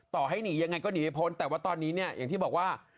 ให้หนียังไงก็หนีไม่พ้นแต่ว่าตอนนี้เนี่ยอย่างที่บอกว่า